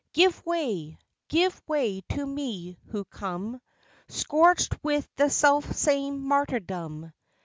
Give way, give way to me, who come Scorch'd with the self same martyrdom!